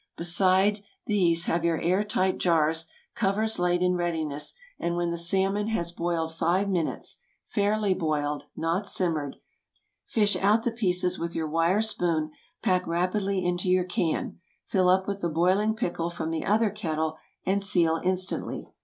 Beside these have your air tight jars, covers laid in readiness, and when the salmon has boiled five minutes—fairly boiled, not simmered—fish out the pieces with your wire spoon, pack rapidly into your can; fill up with the boiling pickle from the other kettle, and seal instantly.